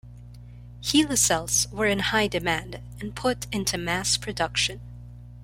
HeLa cells were in high demand and put into mass production.